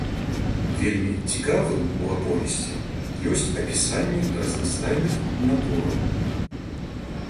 Вельмі цікавым у аповесці ёсць апісанне разнастайных натураў.